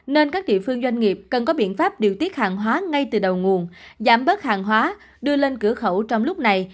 nên các địa phương doanh nghiệp cần có biện pháp điều tiết hàng hóa ngay từ đầu nguồn giảm bớt hàng hóa đưa lên cửa khẩu trong lúc này